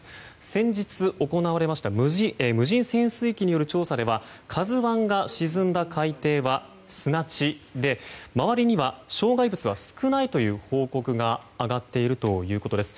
先日行われました無人潜水機による調査では「ＫＡＺＵ１」が沈んだ海底は砂地で周りには障害物は少ないという報告が上がっているということです。